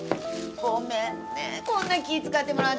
ごめんねこんな気ぃ使ってもらっちゃって。